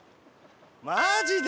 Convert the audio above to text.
マジで？